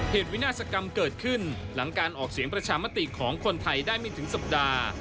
วินาศกรรมเกิดขึ้นหลังการออกเสียงประชามติของคนไทยได้ไม่ถึงสัปดาห์